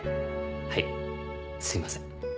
はいすいません。